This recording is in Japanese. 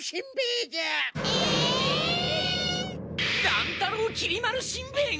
乱太郎きり丸しんべヱが？